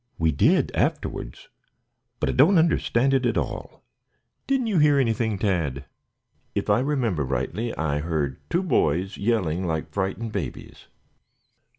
"We did afterwards, but I don't understand it at all. Didn't you hear anything, Tad?" "If I remember rightly I heard two boys yelling like frightened babies."